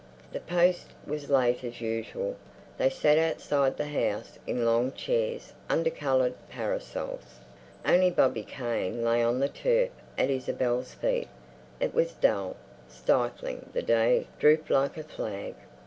The post was late as usual. They sat outside the house in long chairs under coloured parasols. Only Bobby Kane lay on the turf at Isabel's feet. It was dull, stifling; the day drooped like a flag.